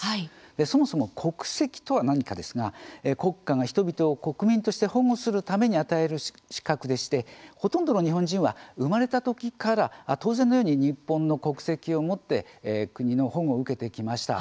そもそも国籍とは何かですが国家が人々を国民として保護するために与える資格でしてほとんどの日本人は生まれた時から当然のように日本の国籍を持って国の保護を受けてきました。